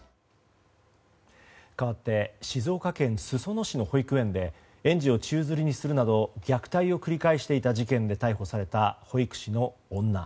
かわって静岡県裾野市の保育園で園児を宙づりにするなど虐待を繰り返していた事件で逮捕された保育士の女。